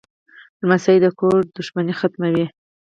لمسی د کور دښمنۍ ختموي.